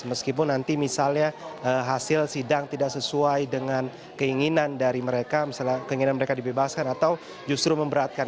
meskipun nanti misalnya hasil sidang tidak sesuai dengan keinginan dari mereka misalnya keinginan mereka dibebaskan atau justru memberatkan